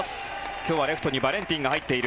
今日はレフトにバレンティンが入っている。